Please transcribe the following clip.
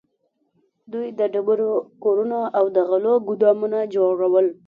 دوی د ډبرو کورونه او د غلو ګودامونه جوړول.